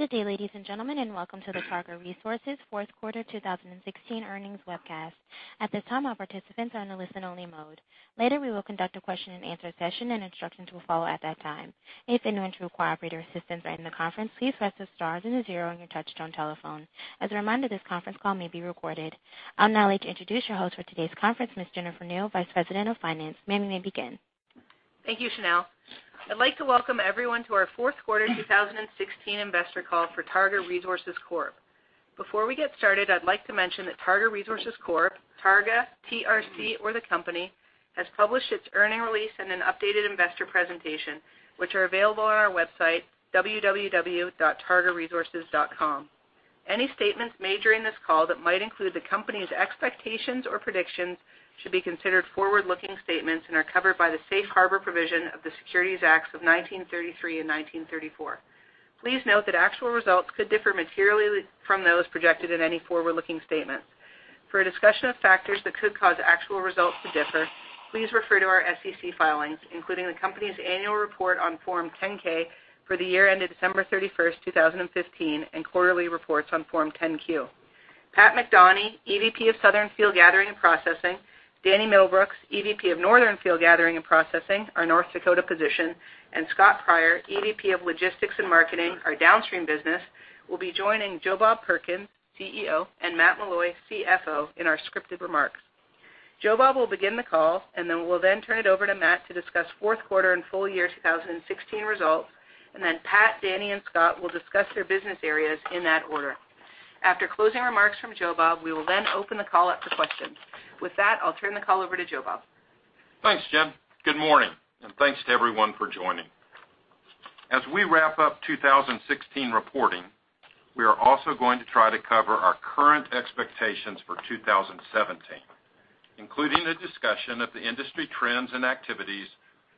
Good day, ladies and gentlemen. Welcome to the Targa Resources fourth quarter 2016 earnings webcast. At this time, all participants are in a listen-only mode. Later, we will conduct a question and answer session. Instructions will follow at that time. If anyone should require operator assistance during the conference, please press the star then the zero on your touch-tone telephone. As a reminder, this conference call may be recorded. I am now able to introduce your host for today's conference, Ms. Jennifer Kneale, Vice President of Finance. Ma'am, you may begin. Thank you, Chanel. I would like to welcome everyone to our fourth quarter 2016 investor call for Targa Resources Corp. Before we get started, I would like to mention that Targa Resources Corp., Targa, TRC, or the company has published its earnings release and an updated investor presentation, which are available on our website, www.targaresources.com. Any statements made during this call that might include the company's expectations or predictions should be considered forward-looking statements and are covered by the safe harbor provision of the Securities Acts of 1933 and 1934. Please note that actual results could differ materially from those projected in any forward-looking statements. For a discussion of factors that could cause actual results to differ, please refer to our SEC filings, including the company's annual report on Form 10-K for the year ended December 31st, 2015, and quarterly reports on Form 10-Q. Pat McDonie, EVP of Southern Field Gathering and Processing, Danny Middlebrooks, EVP of Northern Field Gathering and Processing, our North Dakota position, Scott Pryor, EVP of Logistics and Marketing, our downstream business, will be joining Joe Bob Perkins, CEO, and Matt Meloy, CFO, in our scripted remarks. Joe Bob will begin the call. We will then turn it over to Matt to discuss fourth quarter and full year 2016 results. Pat, Danny, and Scott will discuss their business areas in that order. After closing remarks from Joe Bob, we will then open the call up to questions. With that, I will turn the call over to Joe Bob. Thanks, Jen. Good morning. Thanks to everyone for joining. As we wrap up 2016 reporting, we are also going to try to cover our current expectations for 2017, including a discussion of the industry trends and activities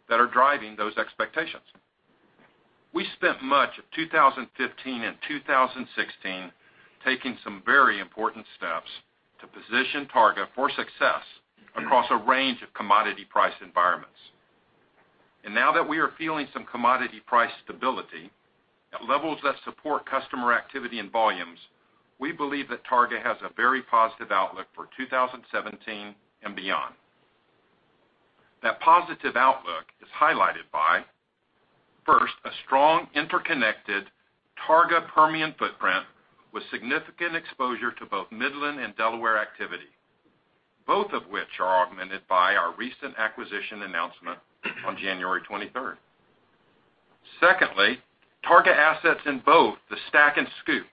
that are driving those expectations. We spent much of 2015 and 2016 taking some very important steps to position Targa for success across a range of commodity price environments. Now that we are feeling some commodity price stability at levels that support customer activity and volumes, we believe that Targa has a very positive outlook for 2017 and beyond. That positive outlook is highlighted by, first, a strong interconnected Targa Permian footprint with significant exposure to both Midland and Delaware activity, both of which are augmented by our recent acquisition announcement on January 23rd. Secondly, Targa assets in both the STACK and SCOOP,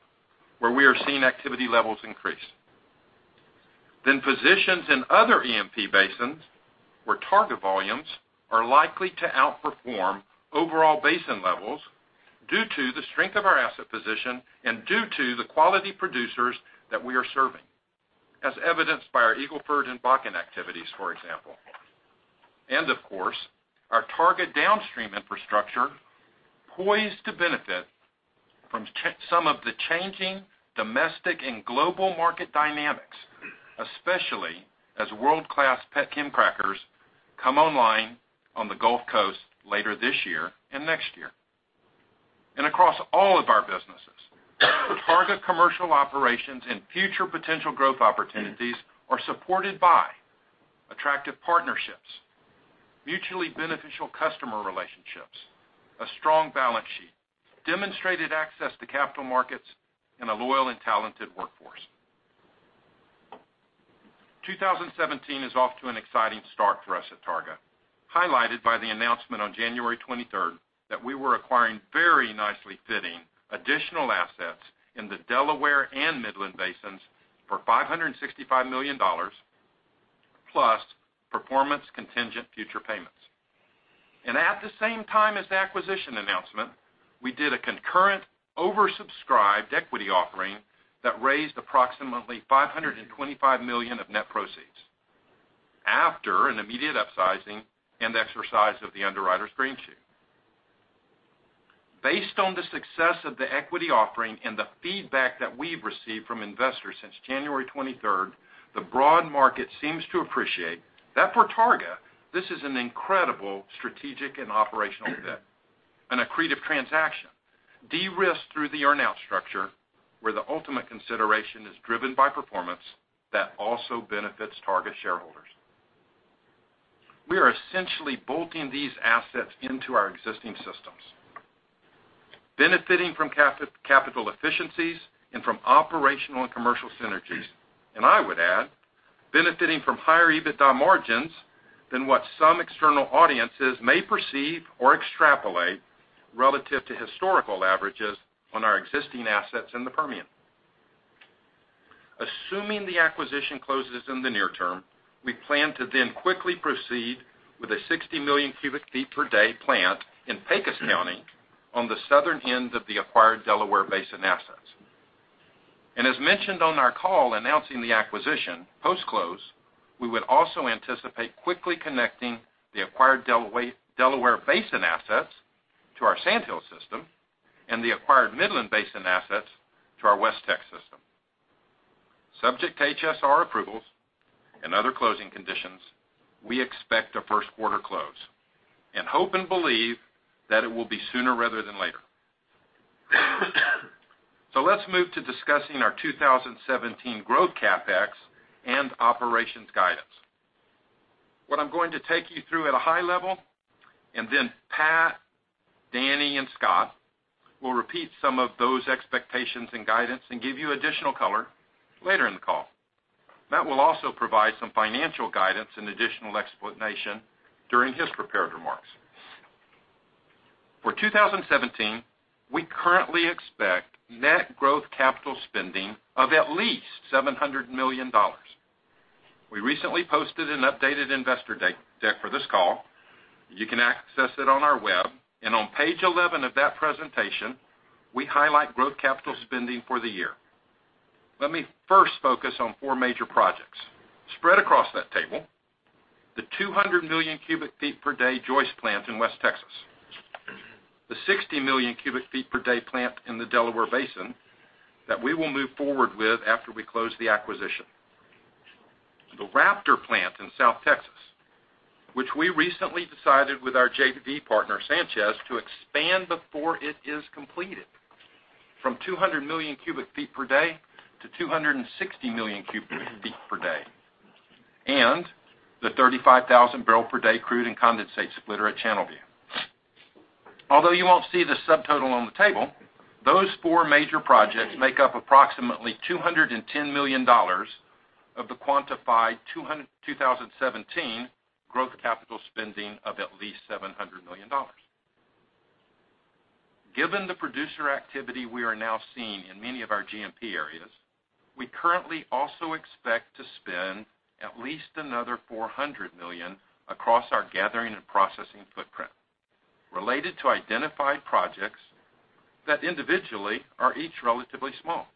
where we are seeing activity levels increase. Positions in other E&P basins where Targa volumes are likely to outperform overall basin levels due to the strength of our asset position and due to the quality producers that we are serving, as evidenced by our Eagle Ford and Bakken activities, for example. Of course, our Targa downstream infrastructure poised to benefit from some of the changing domestic and global market dynamics, especially as world-class petchem crackers come online on the Gulf Coast later this year and next year. Across all of our businesses, Targa commercial operations and future potential growth opportunities are supported by attractive partnerships, mutually beneficial customer relationships, a strong balance sheet, demonstrated access to capital markets, and a loyal and talented workforce. 2017 is off to an exciting start for us at Targa, highlighted by the announcement on January 23rd that we were acquiring very nicely fitting additional assets in the Delaware and Midland basins for $565 million plus performance contingent future payments. At the same time as the acquisition announcement, we did a concurrent oversubscribed equity offering that raised approximately $525 million of net proceeds after an immediate upsizing and exercise of the underwriter's greenshoe. Based on the success of the equity offering and the feedback that we've received from investors since January 23rd, the broad market seems to appreciate that for Targa, this is an incredible strategic and operational step, an accretive transaction, de-risked through the earn out structure, where the ultimate consideration is driven by performance that also benefits Targa shareholders. We are essentially bolting these assets into our existing systems, benefiting from capital efficiencies and from operational and commercial synergies. I would add, benefiting from higher EBITDA margins than what some external audiences may perceive or extrapolate relative to historical averages on our existing assets in the Permian. Assuming the acquisition closes in the near term, we plan to then quickly proceed with a 60 million cubic feet per day plant in Pecos County on the southern end of the acquired Delaware Basin assets. As mentioned on our call announcing the acquisition, post-close, we would also anticipate quickly connecting the acquired Delaware Basin assets to our Sand Hills system and the acquired Midland Basin assets to our WestTX system. Subject to HSR approvals and other closing conditions, we expect a first-quarter close, and hope and believe that it will be sooner rather than later. Let's move to discussing our 2017 growth CapEx and operations guidance. What I'm going to take you through at a high level, and Pat, Danny, and Scott will repeat some of those expectations and guidance and give you additional color later in the call. Matt will also provide some financial guidance and additional explanation during his prepared remarks. For 2017, we currently expect net growth capital spending of at least $700 million. We recently posted an updated investor deck for this call. You can access it on our web. On page 11 of that presentation, we highlight growth capital spending for the year. Let me first focus on four major projects. Spread across that table, the 200 million cubic feet per day Joyce plant in West Texas, the 60 million cubic feet per day plant in the Delaware Basin that we will move forward with after we close the acquisition. The Raptor plant in South Texas, which we recently decided with our JV partner, Sanchez, to expand before it is completed from 200 million cubic feet per day to 260 million cubic feet per day. The 35,000 barrel per day crude and condensate splitter at Channelview. Although you won't see the subtotal on the table, those four major projects make up approximately $210 million of the quantified 2017 growth capital spending of at least $700 million. Given the producer activity we are now seeing in many of our GNP areas, we currently also expect to spend at least another $400 million across our gathering and processing footprint related to identified projects that individually are each relatively small.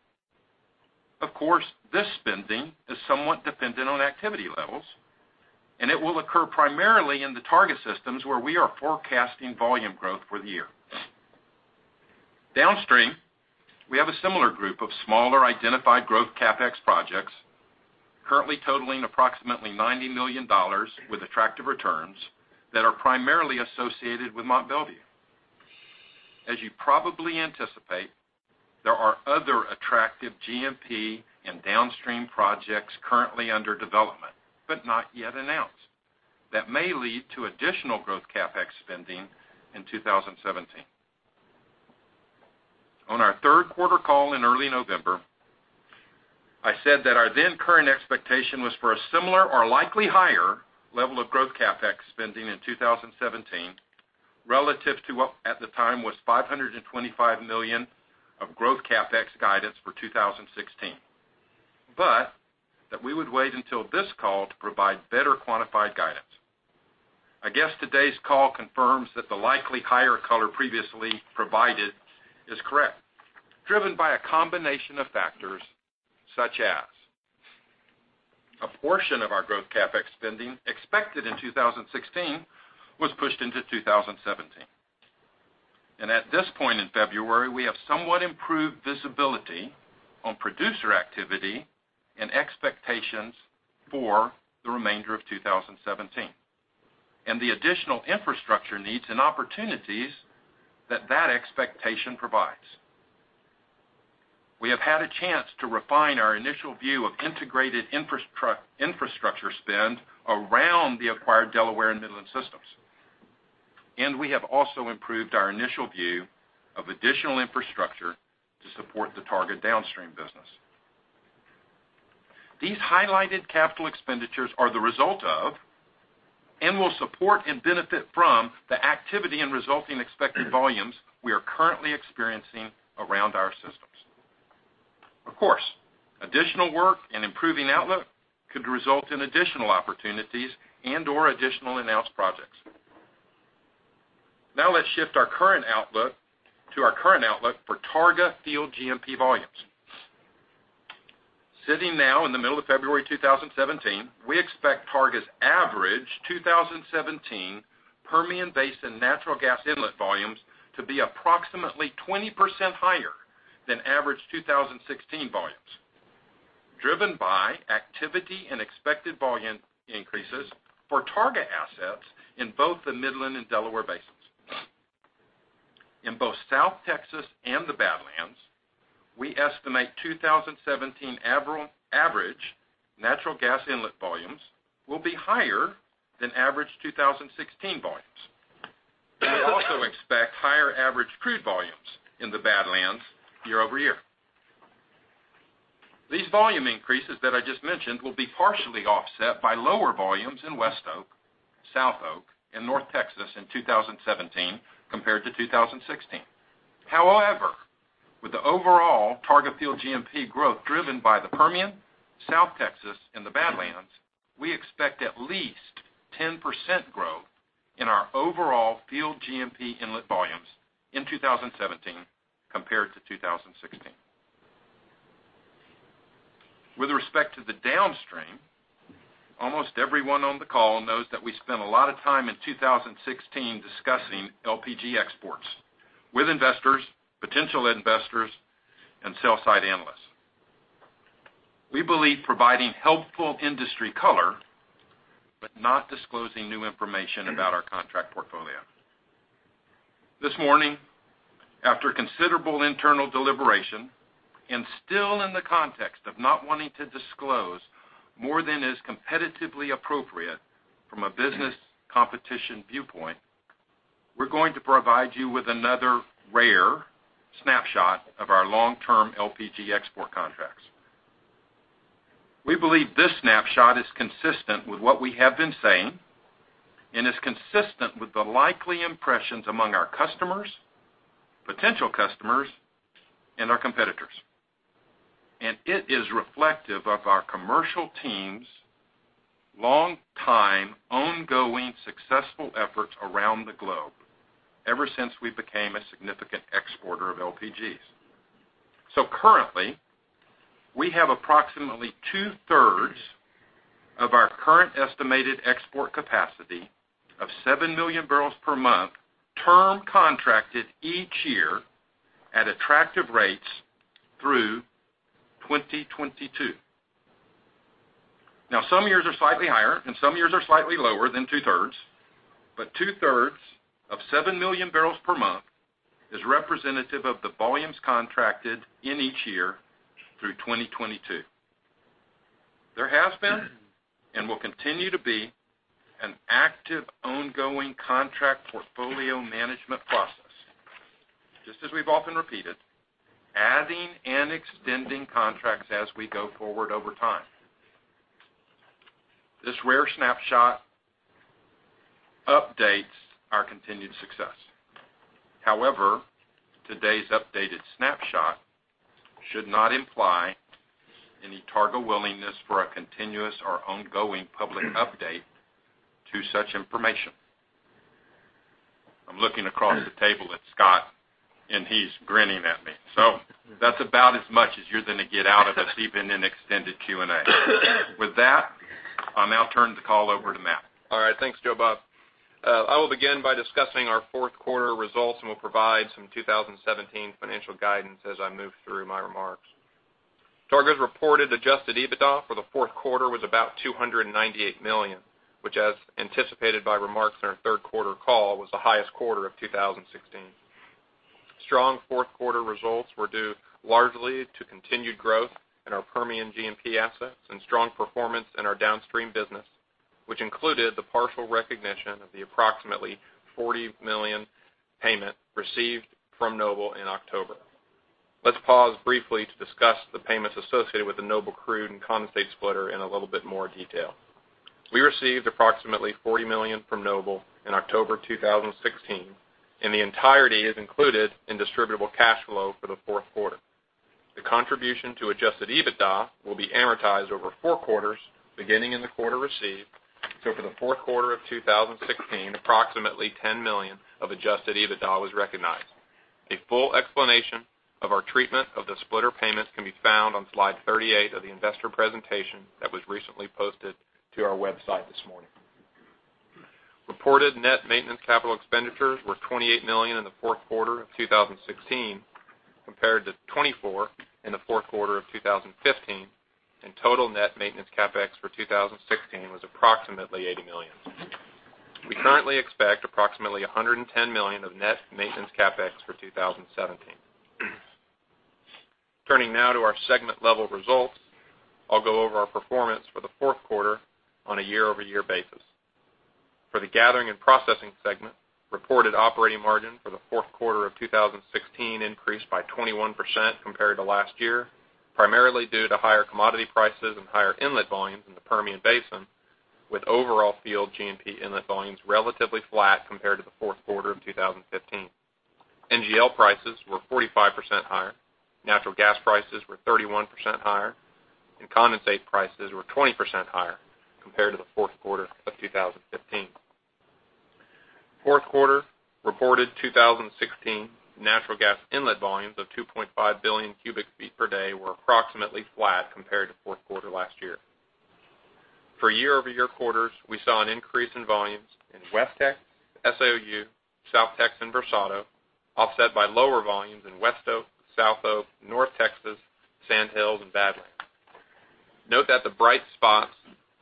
Of course, this spending is somewhat dependent on activity levels, and it will occur primarily in the target systems where we are forecasting volume growth for the year. Downstream, we have a similar group of smaller identified growth CapEx projects currently totaling approximately $90 million with attractive returns that are primarily associated with Mont Belvieu. As you probably anticipate, there are other attractive GNP and downstream projects currently under development, but not yet announced, that may lead to additional growth CapEx spending in 2017. On our third quarter call in early November, I said that our then current expectation was for a similar or likely higher level of growth CapEx spending in 2017 relative to what at the time was $525 million of growth CapEx guidance for 2016. That we would wait until this call to provide better quantified guidance. I guess today's call confirms that the likely higher color previously provided is correct, driven by a combination of factors such as a portion of our growth CapEx spending expected in 2016 was pushed into 2017. At this point in February, we have somewhat improved visibility on producer activity and expectations for the remainder of 2017. The additional infrastructure needs and opportunities that that expectation provides. We have had a chance to refine our initial view of integrated infrastructure spend around the acquired Delaware and Midland systems. We have also improved our initial view of additional infrastructure to support the Targa downstream business. These highlighted capital expenditures are the result of and will support and benefit from the activity and resulting expected volumes we are currently experiencing around our systems. Of course, additional work and improving outlook could result in additional opportunities and/or additional announced projects. Now let's shift our current outlook to our current outlook for Targa field GNP volumes. Sitting now in the middle of February 2017, we expect Targa's average 2017 Permian Basin natural gas inlet volumes to be approximately 20% higher than average 2016 volumes, driven by activity and expected volume increases for Targa assets in both the Midland and Delaware Basins. In both South Texas and the Badlands, we estimate 2017 average natural gas inlet volumes will be higher than average 2016 volumes. We also expect higher average crude volumes in the Badlands year-over-year. These volume increases that I just mentioned will be partially offset by lower volumes in WestTX, South Oak, and North Texas in 2017 compared to 2016. However, with the overall Targa field GNP growth driven by the Permian, South Texas, and the Badlands, we expect at least 10% growth in our overall field GNP inlet volumes in 2017 compared to 2016. With respect to the downstream. Almost everyone on the call knows that we spent a lot of time in 2016 discussing LPG exports with investors, potential investors, and sell-side analysts. We believe providing helpful industry color, but not disclosing new information about our contract portfolio. This morning, after considerable internal deliberation and still in the context of not wanting to disclose more than is competitively appropriate from a business competition viewpoint, we're going to provide you with another rare snapshot of our long-term LPG export contracts. We believe this snapshot is consistent with what we have been saying and is consistent with the likely impressions among our customers, potential customers, and our competitors. And it is reflective of our commercial team's longtime, ongoing, successful efforts around the globe ever since we became a significant exporter of LPGs. Currently, we have approximately two-thirds of our current estimated export capacity of 7 million barrels per month term contracted each year at attractive rates through 2022. Now, some years are slightly higher and some years are slightly lower than two-thirds, but two-thirds of 7 million barrels per month is representative of the volumes contracted in each year through 2022. There has been and will continue to be an active ongoing contract portfolio management process, just as we've often repeated, adding and extending contracts as we go forward over time. This rare snapshot updates our continued success. However, today's updated snapshot should not imply any Targa willingness for a continuous or ongoing public update to such information. I'm looking across the table at Scott, and he's grinning at me. That's about as much as you're going to get out of us, even in extended Q&A. With that, I'll now turn the call over to Matt. All right. Thanks, Joe Bob. I will begin by discussing our fourth quarter results and will provide some 2017 financial guidance as I move through my remarks. Targa's reported adjusted EBITDA for the fourth quarter was about $298 million, which as anticipated by remarks in our third quarter call, was the highest quarter of 2016. Strong fourth quarter results were due largely to continued growth in our Permian GNP assets and strong performance in our downstream business, which included the partial recognition of the approximately $40 million payment received from Noble in October. Let's pause briefly to discuss the payments associated with the Noble crude and condensate splitter in a little bit more detail. We received approximately $40 million from Noble in October 2016, and the entirety is included in distributable cash flow for the fourth quarter. The contribution to adjusted EBITDA will be amortized over 4 quarters, beginning in the quarter received. For the fourth quarter of 2016, approximately $10 million of adjusted EBITDA was recognized. A full explanation of our treatment of the splitter payments can be found on slide 38 of the investor presentation that was recently posted to our website this morning. Reported net maintenance CapEx were $28 million in the fourth quarter of 2016, compared to $24 million in the fourth quarter of 2015, and total net maintenance CapEx for 2016 was approximately $80 million. We currently expect approximately $110 million of net maintenance CapEx for 2017. Turning now to our segment-level results. I'll go over our performance for the fourth quarter on a year-over-year basis. For the Gathering and Processing segment, reported operating margin for the fourth quarter of 2016 increased by 21% compared to last year, primarily due to higher commodity prices and higher inlet volumes in the Permian Basin, with overall field G&P inlet volumes relatively flat compared to the fourth quarter of 2015. NGL prices were 45% higher, natural gas prices were 31% higher, and condensate prices were 20% higher compared to the fourth quarter of 2015. Fourth quarter reported 2016 natural gas inlet volumes of 2.5 billion cubic feet per day were approximately flat compared to fourth quarter last year. For year-over-year quarters, we saw an increase in volumes in WestTX, SAOU, South Texas, and Versado, offset by lower volumes in West Oak, South Oak, North Texas, Sand Hills, and Badlands. Note that the bright spots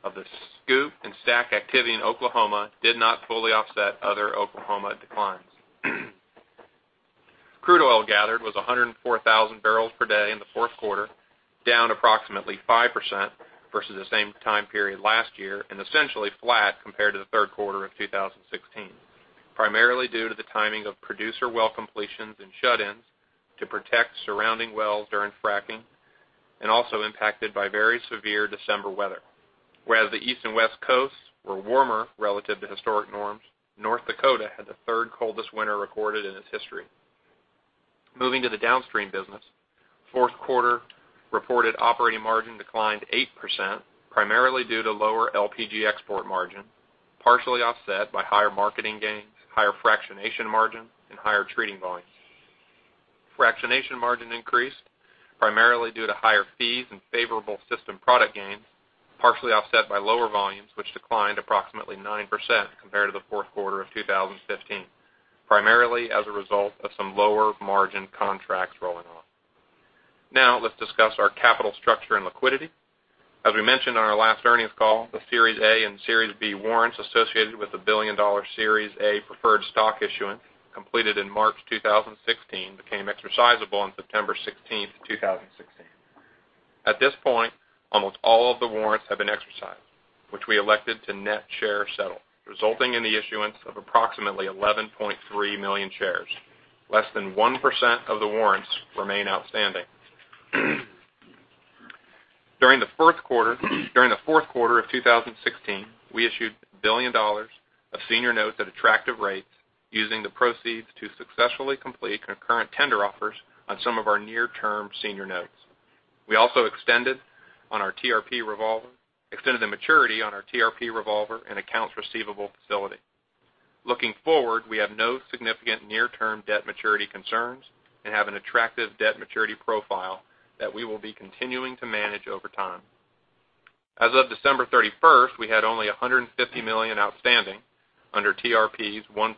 of the SCOOP and STACK activity in Oklahoma did not fully offset other Oklahoma declines. Crude oil gathered was 104,000 barrels per day in the fourth quarter, down approximately 5% versus the same time period last year and essentially flat compared to the third quarter of 2016. Primarily due to the timing of producer well completions and shut-ins to protect surrounding wells during fracking and also impacted by very severe December weather. Whereas the East and West coasts were warmer relative to historic norms, North Dakota had the third coldest winter recorded in its history. Moving to the downstream business. Fourth quarter reported operating margin declined 8%, primarily due to lower LPG export margin, partially offset by higher marketing gains, higher fractionation margin, and higher treating volumes. Fractionation margin increased primarily due to higher fees and favorable system product gains, partially offset by lower volumes, which declined approximately 9% compared to the fourth quarter of 2015, primarily as a result of some lower margin contracts rolling off. Now, let's discuss our capital structure and liquidity. As we mentioned on our last earnings call, the Series A and Series B warrants associated with the $1 billion Series A preferred stock issuance completed in March 2016 became exercisable on September 16th, 2016. At this point, almost all of the warrants have been exercised, which we elected to net share settle, resulting in the issuance of approximately 11.3 million shares. Less than 1% of the warrants remain outstanding. During the fourth quarter of 2016, we issued $1 billion of senior notes at attractive rates, using the proceeds to successfully complete concurrent tender offers on some of our near-term senior notes. We also extended the maturity on our TRP revolver and accounts receivable facility. Looking forward, we have no significant near-term debt maturity concerns and have an attractive debt maturity profile that we will be continuing to manage over time. As of December 31st, we had only $150 million outstanding under TRP's $1.6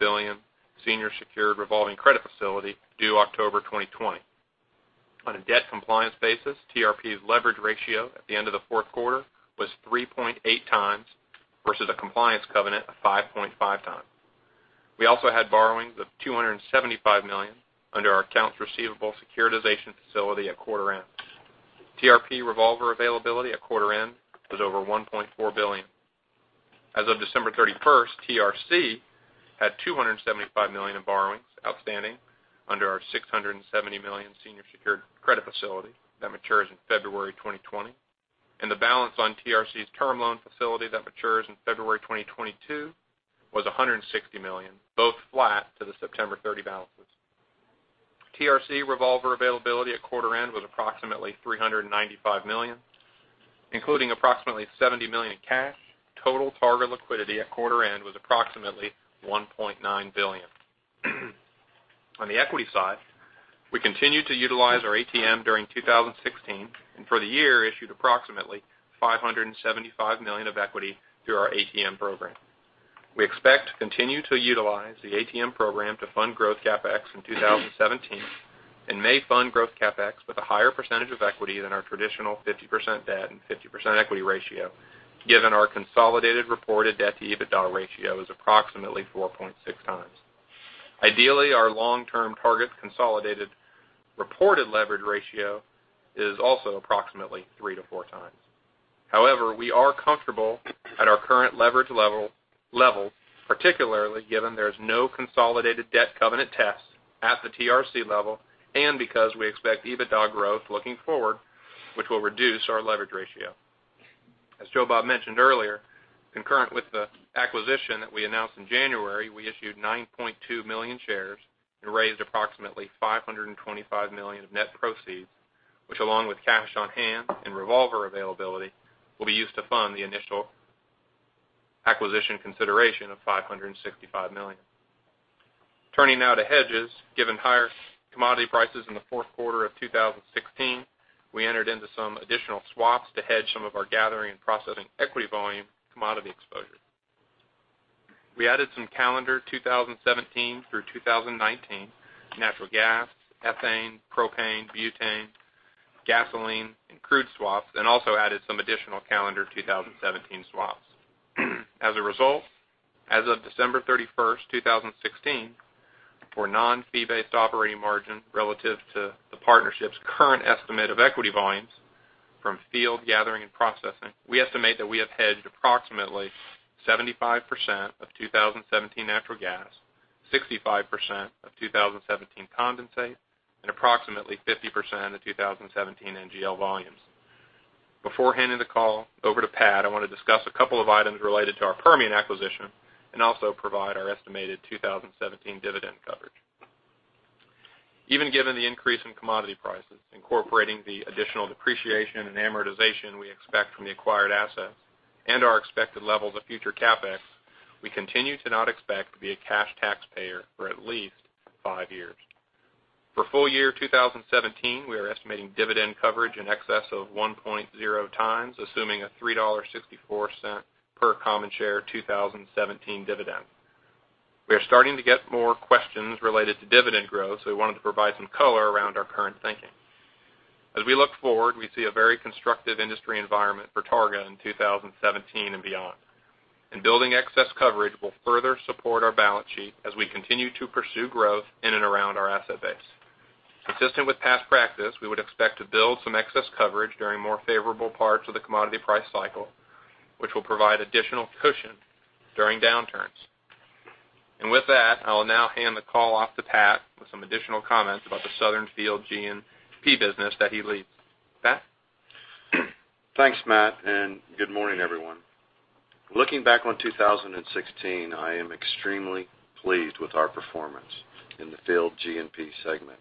billion senior secured revolving credit facility due October 2020. On a debt compliance basis, TRP's leverage ratio at the end of the fourth quarter was 3.8 times versus a compliance covenant of 5.5 times. We also had borrowings of $275 million under our accounts receivable securitization facility at quarter end. TRP revolver availability at quarter end was over $1.4 billion. As of December 31st, TRC had $275 million in borrowings outstanding under our $670 million senior secured credit facility that matures in February 2020, and the balance on TRC's term loan facility that matures in February 2022 was $160 million, both flat to the September 30 balances. TRC revolver availability at quarter end was approximately $395 million, including approximately $70 million in cash. Total Targa liquidity at quarter end was approximately $1.9 billion. On the equity side, we continued to utilize our ATM during 2016, and for the year, issued approximately $575 million of equity through our ATM program. We expect to continue to utilize the ATM program to fund growth CapEx in 2017 and may fund growth CapEx with a higher percentage of equity than our traditional 50% debt and 50% equity ratio, given our consolidated reported debt-to-EBITDA ratio is approximately 4.6 times. Ideally, our long-term target consolidated reported leverage ratio is also approximately three to four times. However, we are comfortable at our current leverage level, particularly given there is no consolidated debt covenant test at the TRC level and because we expect EBITDA growth looking forward, which will reduce our leverage ratio. As Joe Bob mentioned earlier, concurrent with the acquisition that we announced in January, we issued 9.2 million shares and raised approximately $525 million of net proceeds, which along with cash on hand and revolver availability, will be used to fund the initial acquisition consideration of $565 million. Turning now to hedges. Given higher commodity prices in the fourth quarter of 2016, we entered into some additional swaps to hedge some of our gathering and processing equity volume commodity exposure. We added some calendar 2017 through 2019 natural gas, ethane, propane, butane, gasoline, and crude swaps, and also added some additional calendar 2017 swaps. As a result, as of December 31st, 2016, for non-fee-based operating margin relative to the partnership's current estimate of equity volumes from field gathering and processing, we estimate that we have hedged approximately 75% of 2017 natural gas, 65% of 2017 condensate, and approximately 50% of 2017 NGL volumes. Before handing the call over to Pat, I want to discuss a couple of items related to our Permian acquisition and also provide our estimated 2017 dividend coverage. Even given the increase in commodity prices, incorporating the additional depreciation and amortization we expect from the acquired assets and our expected levels of future CapEx, we continue to not expect to be a cash taxpayer for at least five years. For full year 2017, we are estimating dividend coverage in excess of 1.0 times, assuming a $3.64 per common share 2017 dividend. We are starting to get more questions related to dividend growth, so we wanted to provide some color around our current thinking. As we look forward, we see a very constructive industry environment for Targa in 2017 and beyond, and building excess coverage will further support our balance sheet as we continue to pursue growth in and around our asset base. Consistent with past practice, we would expect to build some excess coverage during more favorable parts of the commodity price cycle, which will provide additional cushion during downturns. With that, I will now hand the call off to Pat with some additional comments about the Southern Field G&P business that he leads. Pat? Thanks, Matt, and good morning, everyone. Looking back on 2016, I am extremely pleased with our performance in the field G&P segment.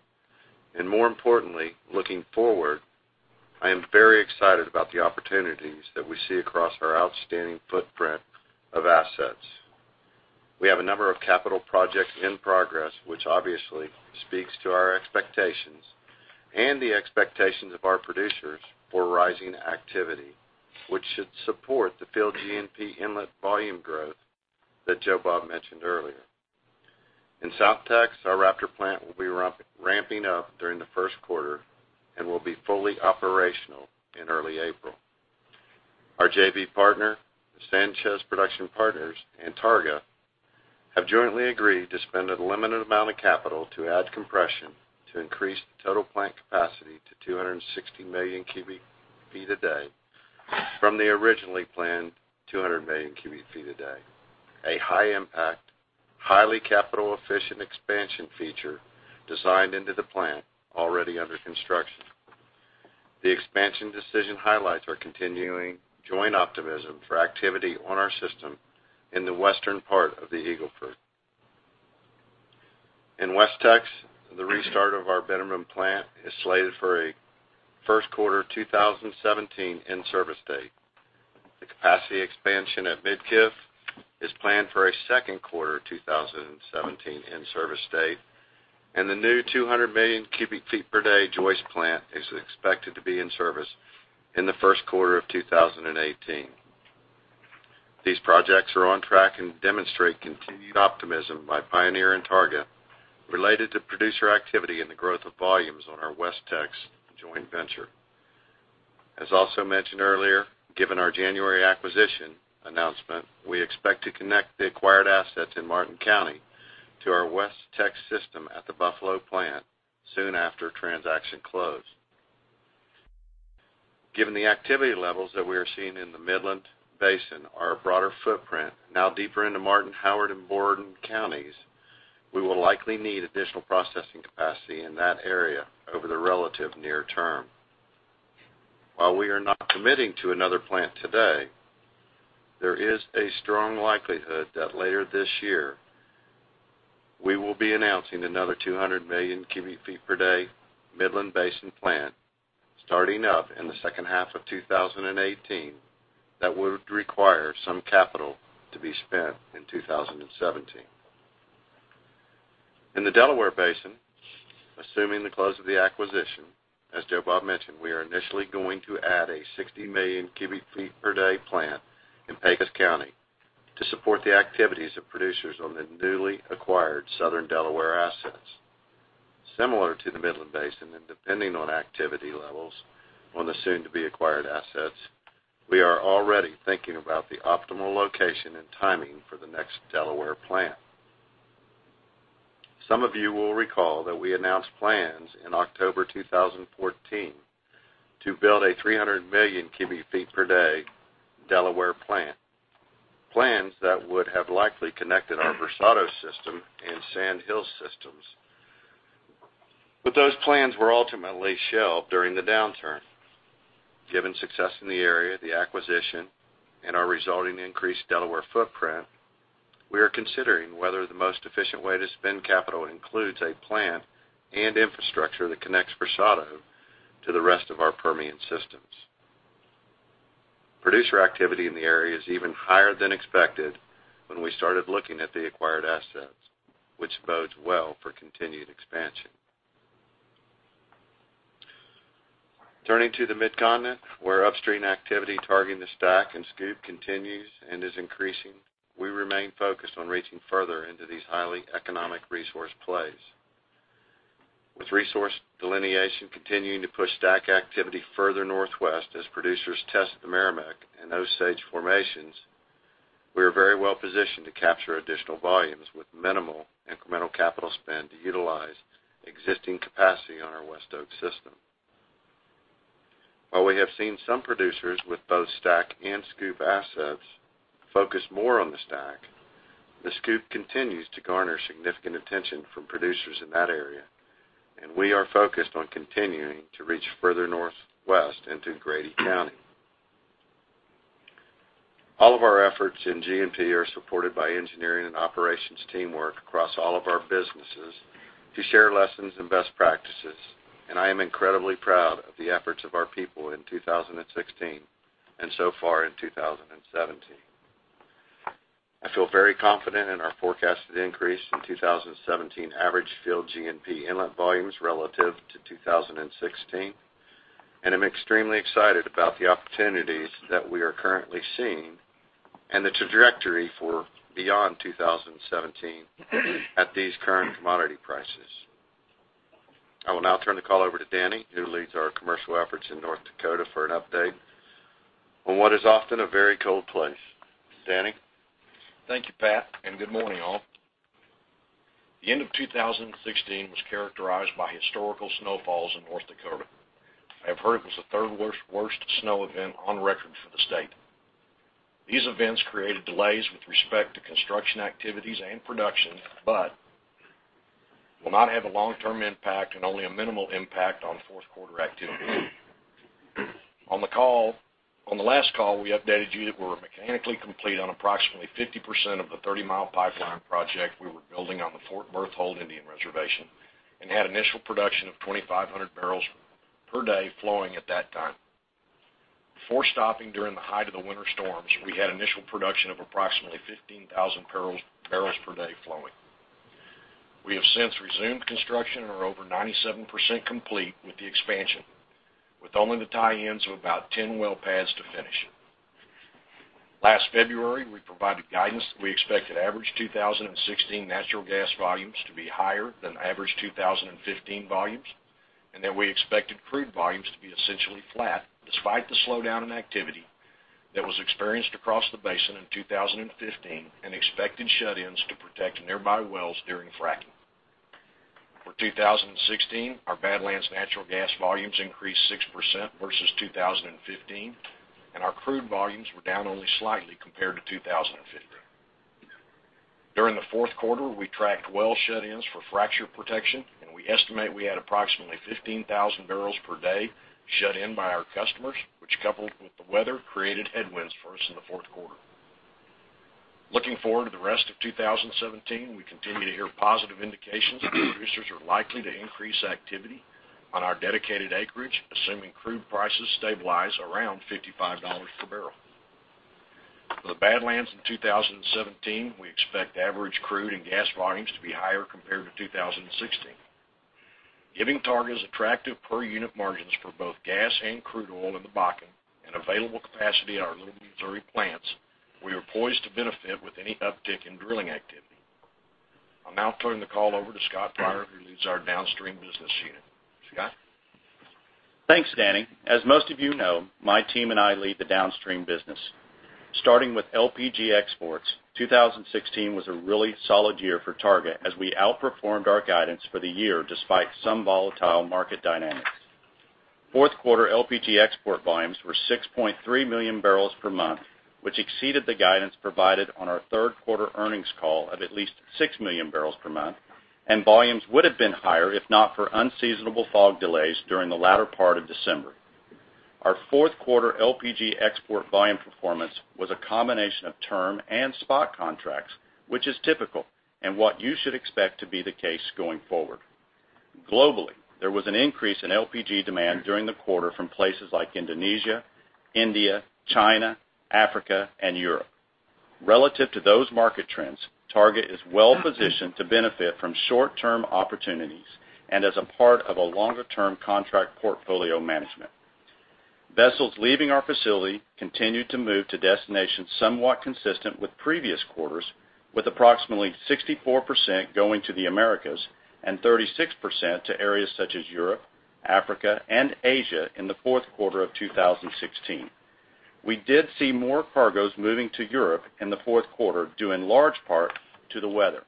More importantly, looking forward I am very excited about the opportunities that we see across our outstanding footprint of assets. We have a number of capital projects in progress, which obviously speaks to our expectations and the expectations of our producers for rising activity, which should support the field G&P inlet volume growth that Joe Bob mentioned earlier. In South Texas, our Raptor plant will be ramping up during the first quarter and will be fully operational in early April. Our JV partner, the Sanchez Production Partners and Targa, have jointly agreed to spend a limited amount of capital to add compression to increase the total plant capacity to 260 million cubic feet a day from the originally planned 200 million cubic feet a day. A high impact, highly capital efficient expansion feature designed into the plant already under construction. The expansion decision highlights our continuing joint optimism for activity on our system in the western part of the Eagle Ford. In West Texas, the restart of our Benjamin plant is slated for a first quarter 2017 in-service date. The capacity expansion at Midkiff is planned for a second quarter 2017 in-service date, and the new 200 million cubic feet per day Joyce plant is expected to be in service in the first quarter of 2018. These projects are on track and demonstrate continued optimism by Pioneer and Targa related to producer activity and the growth of volumes on our West Texas joint venture. As also mentioned earlier, given our January acquisition announcement, we expect to connect the acquired assets in Martin County to our West Texas system at the Buffalo plant soon after transaction close. Given the activity levels that we are seeing in the Midland Basin, our broader footprint, now deeper into Martin, Howard, and Borden counties, we will likely need additional processing capacity in that area over the relative near term. While we are not committing to another plant today, there is a strong likelihood that later this year, we will be announcing another 200 million cubic feet per day Midland Basin plant starting up in the second half of 2018 that would require some capital to be spent in 2017. In the Delaware Basin, assuming the close of the acquisition, as Joe Bob mentioned, we are initially going to add a 60 million cubic feet per day plant in Pecos County to support the activities of producers on the newly acquired Southern Delaware assets. Similar to the Midland Basin and depending on activity levels on the soon-to-be-acquired assets, we are already thinking about the optimal location and timing for the next Delaware plant. Some of you will recall that we announced plans in October 2014 to build a 300 million cubic feet per day Delaware plant, plans that would have likely connected our Versado system and Sand Hills systems. But those plans were ultimately shelved during the downturn. Given success in the area, the acquisition, and our resulting increased Delaware footprint, we are considering whether the most efficient way to spend capital includes a plant and infrastructure that connects Versado to the rest of our Permian systems. Producer activity in the area is even higher than expected when we started looking at the acquired assets, which bodes well for continued expansion. Turning to the Mid-Continent, where upstream activity targeting the STACK and SCOOP continues and is increasing, we remain focused on reaching further into these highly economic resource plays. With resource delineation continuing to push STACK activity further northwest as producers test the Meramec and Osage formations, we are very well positioned to capture additional volumes with minimal incremental capital spend to utilize existing capacity on our West Oak system. While we have seen some producers with both STACK and SCOOP assets focus more on the STACK, the SCOOP continues to garner significant attention from producers in that area, and we are focused on continuing to reach further northwest into Grady County. All of our efforts in GNP are supported by engineering and operations teamwork across all of our businesses to share lessons and best practices, and I am incredibly proud of the efforts of our people in 2016 and so far in 2017. I feel very confident in our forecasted increase in 2017 average field GNP inlet volumes relative to 2016, and I'm extremely excited about the opportunities that we are currently seeing and the trajectory for beyond 2017 at these current commodity prices. I will now turn the call over to Danny, who leads our commercial efforts in North Dakota for an update on what is often a very cold place. Danny? Thank you, Pat, and good morning, all. The end of 2016 was characterized by historical snowfalls in North Dakota. I have heard it was the third worst snow event on record for the state. These events created delays with respect to construction activities and production, but will not have a long-term impact and only a minimal impact on fourth quarter activities. On the last call, we updated you that we're mechanically complete on approximately 50% of the 30-mile pipeline project we were building on the Fort Berthold Indian Reservation and had initial production of 2,500 barrels per day flowing at that time. Before stopping during the height of the winter storms, we had initial production of approximately 15,000 barrels per day flowing. We have since resumed construction and are over 97% complete with the expansion, with only the tie-ins of about 10 well pads to finish. Last February, we provided guidance that we expected average 2016 natural gas volumes to be higher than average 2015 volumes, and that we expected crude volumes to be essentially flat despite the slowdown in activity that was experienced across the basin in 2015 and expected shut-ins to protect nearby wells during fracking. For 2016, our Badlands natural gas volumes increased 6% versus 2015, and our crude volumes were down only slightly compared to 2015. During the fourth quarter, we tracked well shut-ins for fracture protection, and we estimate we had approximately 15,000 barrels per day shut in by our customers, which, coupled with the weather, created headwinds for us in the fourth quarter. Looking forward to the rest of 2017, we continue to hear positive indications that producers are likely to increase activity on our dedicated acreage, assuming crude prices stabilize around $55 per barrel. For the Badlands in 2017, we expect average crude and gas volumes to be higher compared to 2016. Giving Targa's attractive per-unit margins for both gas and crude oil in the Bakken and available capacity at our Little Missouri plants, we are poised to benefit with any uptick in drilling activity. I'll now turn the call over to Scott Pryor, who leads our downstream business unit. Scott? Thanks, Danny. As most of you know, my team and I lead the downstream business. Starting with LPG exports, 2016 was a really solid year for Targa as we outperformed our guidance for the year despite some volatile market dynamics. Fourth quarter LPG export volumes were 6.3 million barrels per month, which exceeded the guidance provided on our third quarter earnings call of at least six million barrels per month, and volumes would've been higher if not for unseasonable fog delays during the latter part of December. Our fourth quarter LPG export volume performance was a combination of term and spot contracts, which is typical and what you should expect to be the case going forward. Globally, there was an increase in LPG demand during the quarter from places like Indonesia, India, China, Africa, and Europe. Relative to those market trends, Targa is well-positioned to benefit from short-term opportunities and as a part of a longer-term contract portfolio management. Vessels leaving our facility continued to move to destinations somewhat consistent with previous quarters, with approximately 64% going to the Americas and 36% to areas such as Europe, Africa, and Asia in the fourth quarter of 2016. We did see more cargoes moving to Europe in the fourth quarter, due in large part to the weather.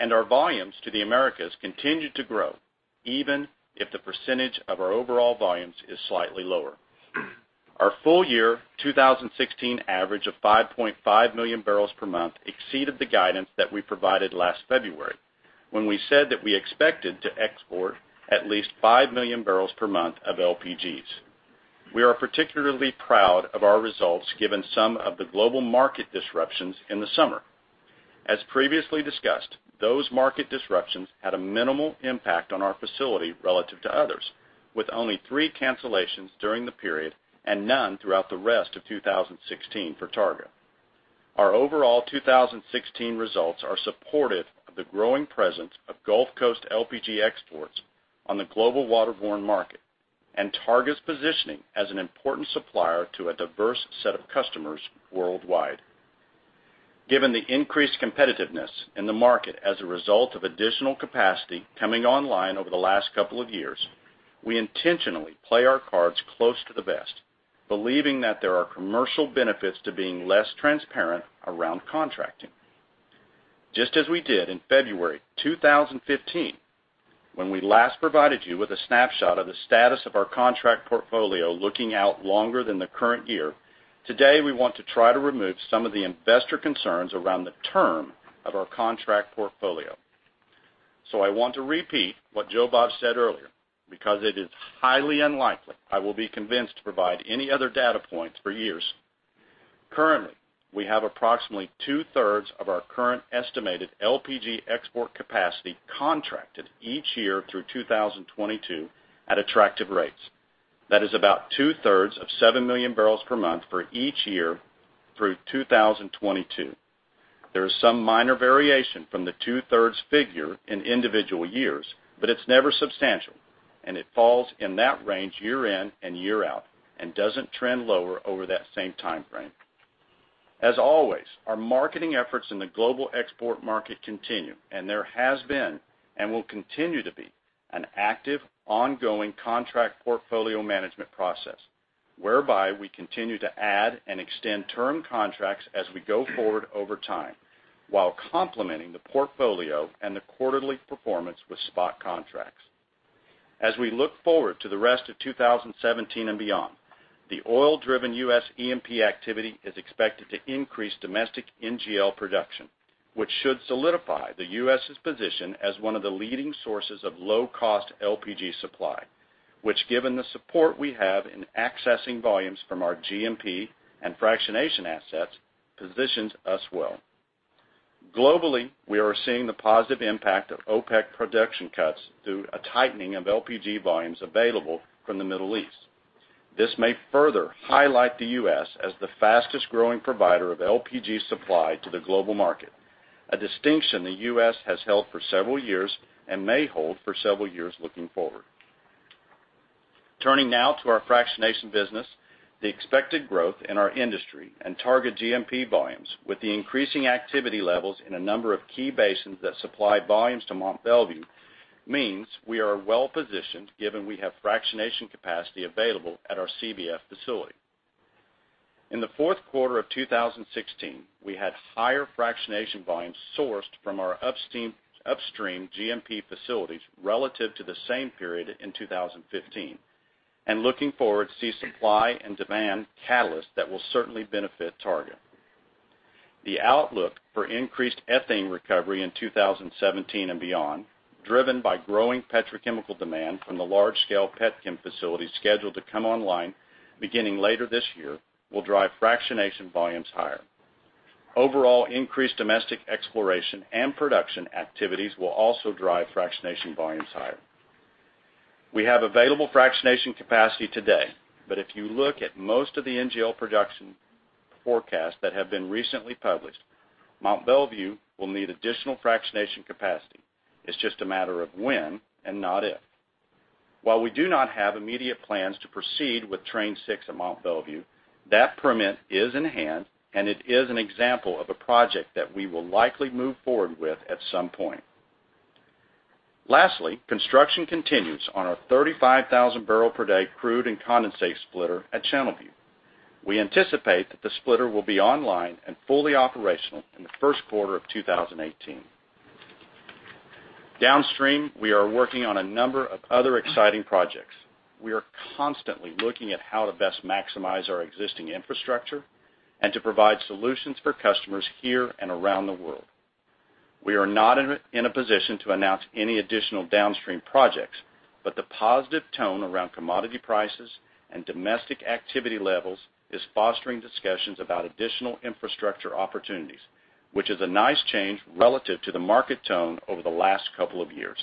Our volumes to the Americas continued to grow even if the percentage of our overall volumes is slightly lower. Our full year 2016 average of 5.5 million barrels per month exceeded the guidance that we provided last February when we said that we expected to export at least five million barrels per month of LPGs. We are particularly proud of our results given some of the global market disruptions in the summer. As previously discussed, those market disruptions had a minimal impact on our facility relative to others, with only three cancellations during the period and none throughout the rest of 2016 for Targa. Our overall 2016 results are supportive of the growing presence of Gulf Coast LPG exports on the global waterborne market and Targa's positioning as an important supplier to a diverse set of customers worldwide. Given the increased competitiveness in the market as a result of additional capacity coming online over the last couple of years, we intentionally play our cards close to the vest, believing that there are commercial benefits to being less transparent around contracting. Just as we did in February 2015, when we last provided you with a snapshot of the status of our contract portfolio looking out longer than the current year, today, we want to try to remove some of the investor concerns around the term of our contract portfolio. So I want to repeat what Joe Bob said earlier because it is highly unlikely I will be convinced to provide any other data points for years. Currently, we have approximately two-thirds of our current estimated LPG export capacity contracted each year through 2022 at attractive rates. That is about two-thirds of seven million barrels per month for each year through 2022. There is some minor variation from the two-thirds figure in individual years, but it's never substantial, and it falls in that range year in and year out and doesn't trend lower over that same timeframe. As always, our marketing efforts in the global export market continue, and there has been and will continue to be an active, ongoing contract portfolio management process whereby we continue to add and extend term contracts as we go forward over time while complementing the portfolio and the quarterly performance with spot contracts. As we look forward to the rest of 2017 and beyond, the oil-driven U.S. E&P activity is expected to increase domestic NGL production. Which should solidify the U.S.'s position as one of the leading sources of low-cost LPG supply, which given the support we have in accessing volumes from our G&P and fractionation assets, positions us well. Globally, we are seeing the positive impact of OPEC production cuts through a tightening of LPG volumes available from the Middle East. This may further highlight the U.S. as the fastest-growing provider of LPG supply to the global market, a distinction the U.S. has held for several years and may hold for several years looking forward. Turning now to our fractionation business, the expected growth in our industry and target G&P volumes with the increasing activity levels in a number of key basins that supply volumes to Mont Belvieu means we are well-positioned given we have fractionation capacity available at our CBF facility. In the fourth quarter of 2016, we had higher fractionation volumes sourced from our upstream G&P facilities relative to the same period in 2015, and looking forward, see supply and demand catalyst that will certainly benefit Targa. The outlook for increased ethane recovery in 2017 and beyond, driven by growing petrochemical demand from the large-scale petchem facilities scheduled to come online beginning later this year, will drive fractionation volumes higher. Overall increased domestic exploration and production activities will also drive fractionation volumes higher. We have available fractionation capacity today, but if you look at most of the NGL production forecasts that have been recently published, Mont Belvieu will need additional fractionation capacity. It's just a matter of when and not if. While we do not have immediate plans to proceed with train six at Mont Belvieu, that permit is in hand, it is an example of a project that we will likely move forward with at some point. Lastly, construction continues on our 35,000 barrel per day crude and condensate splitter at Channelview. We anticipate that the splitter will be online and fully operational in the first quarter of 2018. Downstream, we are working on a number of other exciting projects. We are constantly looking at how to best maximize our existing infrastructure and to provide solutions for customers here and around the world. We are not in a position to announce any additional downstream projects, the positive tone around commodity prices and domestic activity levels is fostering discussions about additional infrastructure opportunities, which is a nice change relative to the market tone over the last couple of years.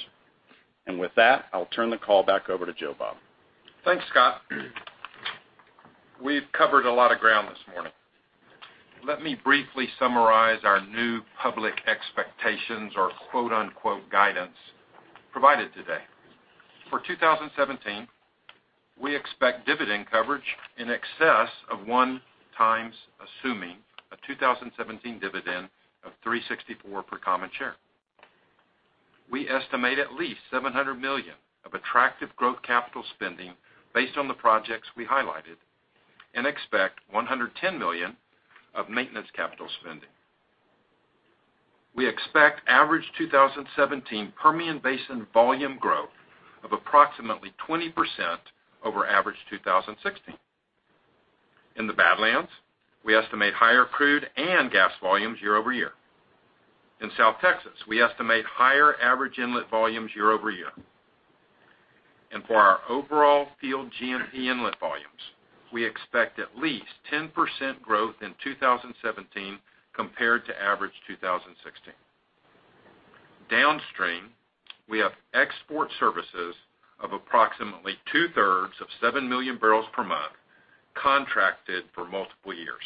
With that, I'll turn the call back over to Joe Bob. Thanks, Scott. We've covered a lot of ground this morning. Let me briefly summarize our new public expectations or "guidance" provided today. For 2017, we expect dividend coverage in excess of one times assuming a 2017 dividend of $3.64 per common share. We estimate at least $700 million of attractive growth capital spending based on the projects we highlighted and expect $110 million of maintenance capital spending. We expect average 2017 Permian Basin volume growth of approximately 20% over average 2016. In the Badlands, we estimate higher crude and gas volumes year-over-year. In South Texas, we estimate higher average inlet volumes year-over-year. For our overall field G&P inlet volumes, we expect at least 10% growth in 2017 compared to average 2016. Downstream, we have export services of approximately two-thirds of 7 million barrels per month contracted for multiple years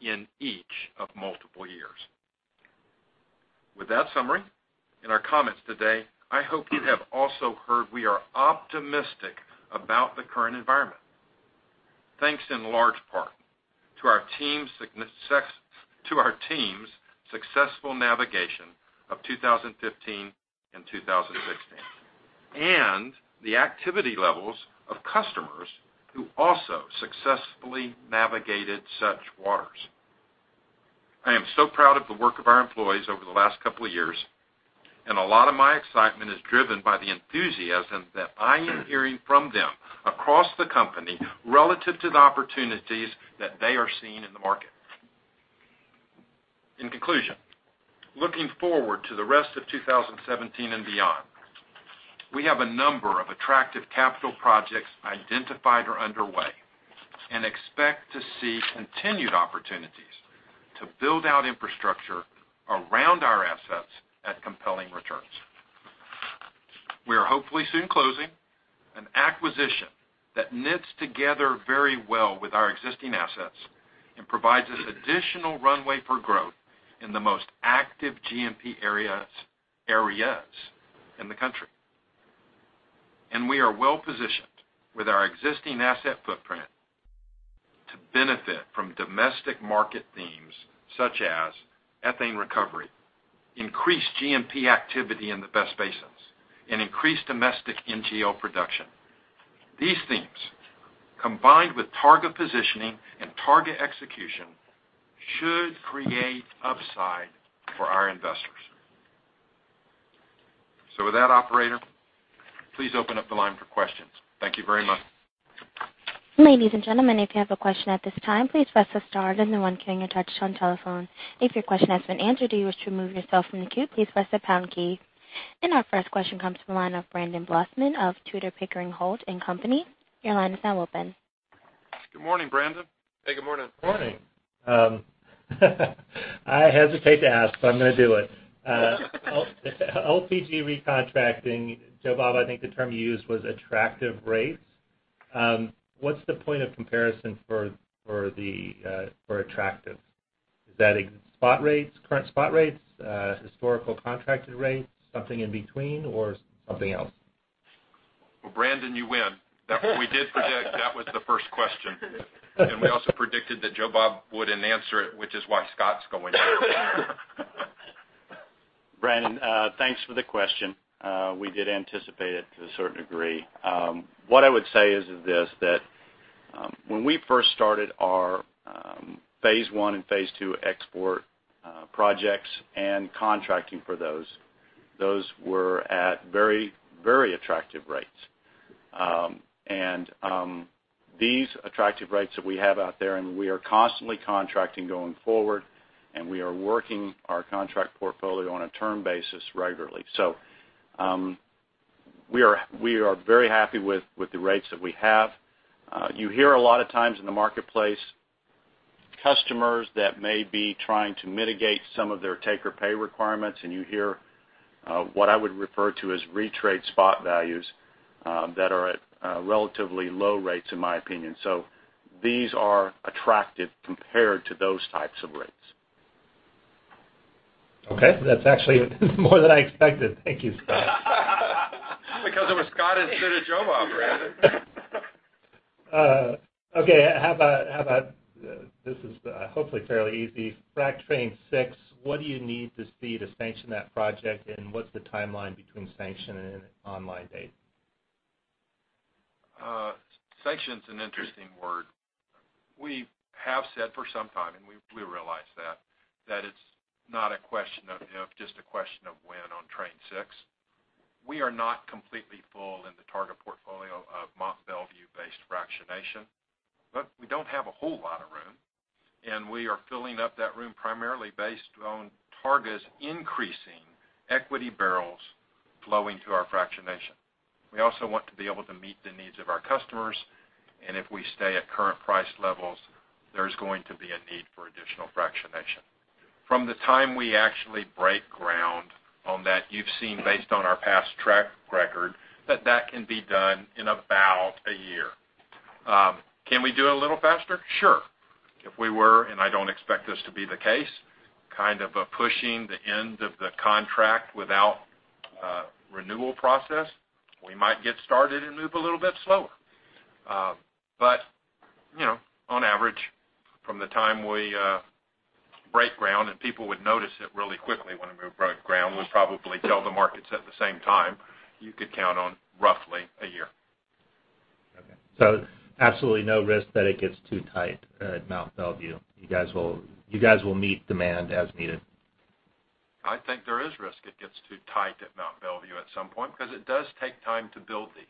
in each of multiple years. With that summary in our comments today, I hope you have also heard we are optimistic about the current environment. Thanks in large part to our team's successful navigation of 2015 and 2016, and the activity levels of customers who also successfully navigated such waters. I am so proud of the work of our employees over the last couple of years, and a lot of my excitement is driven by the enthusiasm that I am hearing from them across the company relative to the opportunities that they are seeing in the market. In conclusion, looking forward to the rest of 2017 and beyond, we have a number of attractive capital projects identified or underway and expect to see continued opportunities to build out infrastructure around our assets at compelling returns. We are hopefully soon closing an acquisition that knits together very well with our existing assets and provides us additional runway for growth in the most active G&P areas in the country. We are well-positioned with our existing asset footprint to benefit from domestic market themes such as ethane recovery, increased G&P activity in the best basins, and increased domestic NGL production. These themes, combined with Targa positioning and Targa execution, should create upside for our investors. With that, operator, please open up the line for questions. Thank you very much. Ladies and gentlemen, if you have a question at this time, please press the star then the one key on your touch-tone telephone. If your question has been answered, do you wish to remove yourself from the queue? Please press the pound key. Our first question comes from the line of Brandon Blossman of Tudor, Pickering, Holt & Co.. Your line is now open. Good morning, Brandon. Hey, good morning. Morning. I hesitate to ask, but I'm going to do it. LPG recontracting. Joe Bob, I think the term you used was attractive rates. What's the point of comparison for attractive? Is that spot rates, current spot rates, historical contracted rates, something in between, or something else? Well, Brandon, you win. We did predict that was the first question. We also predicted that Joe Bob wouldn't answer it, which is why Scott's going to. Brandon, thanks for the question. We did anticipate it to a certain degree. What I would say is this, that when we first started our phase one and phase two export projects and contracting for those were at very attractive rates. These attractive rates that we have out there, and we are constantly contracting going forward, and we are working our contract portfolio on a term basis regularly. We are very happy with the rates that we have. You hear a lot of times in the marketplace, customers that may be trying to mitigate some of their take or pay requirements, and you hear what I would refer to as retrade spot values that are at relatively low rates, in my opinion. These are attractive compared to those types of rates. Okay. That's actually more than I expected. Thank you, Scott. It was Scott instead of Joe Bob, Brandon. This is hopefully fairly easy. Frac train six, what do you need to see to sanction that project? What's the timeline between sanction and an online date? Sanction's an interesting word. We have said for some time, and we realize that it's not a question of if, just a question of when on train six. We are not completely full in the Targa portfolio of Mont Belvieu-based fractionation. We don't have a whole lot of room, and we are filling up that room primarily based on Targa's increasing equity barrels flowing to our fractionation. We also want to be able to meet the needs of our customers, and if we stay at current price levels, there's going to be a need for additional fractionation. From the time we actually break ground on that, you've seen based on our past track record, that that can be done in about a year. Can we do it a little faster? Sure. If we were, and I don't expect this to be the case, kind of pushing the end of the contract without a renewal process, we might get started and move a little bit slower. On average, from the time we break ground, and people would notice it really quickly when we break ground, we'll probably tell the markets at the same time, you could count on roughly a year. Okay. Absolutely no risk that it gets too tight at Mont Belvieu. You guys will meet demand as needed. I think there is risk it gets too tight at Mont Belvieu at some point because it does take time to build these.